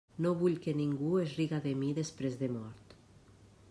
No vull que ningú es riga de mi després de mort.